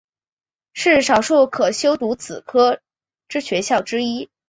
是少数可修读此科之学校之一。